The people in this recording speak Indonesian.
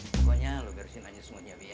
pokoknya lo biarin si nanyu semua diabi ya